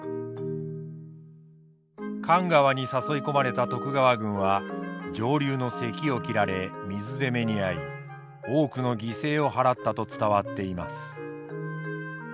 神川に誘い込まれた徳川軍は上流の堰を切られ水攻めに遭い多くの犠牲を払ったと伝わっています。